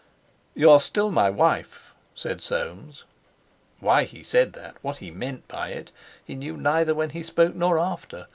"You are still my wife," said Soames. Why he said that, what he meant by it, he knew neither when he spoke nor after.